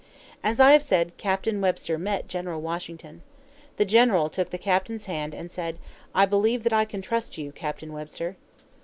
As I have said, Captain Webster met General Washington. The general took the captain's hand, and said: "I believe that I can trust you, Captain Webster."